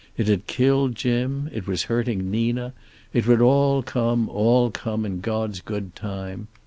It had killed Jim. It was hurting Nina. It would all come, all come, in God's good time.